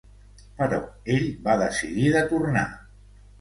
Però ell va decidir de tornar.